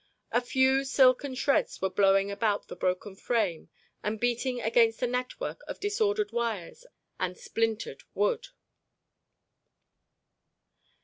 A few silken shreds were blowing about the broken frame and beating against the network of disordered wires and splintered wood.